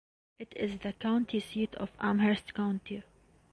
It is the county seat of Amherst County.